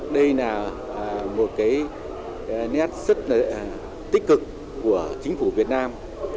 đây là một nét sức tích cực của chính phủ việt nam